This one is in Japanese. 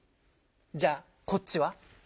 じゃあこっちは？